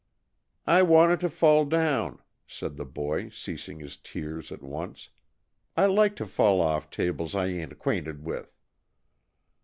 "I wanted to fall down," said the boy, ceasing his tears at once. "I like to fall off tables I ain't 'quainted with."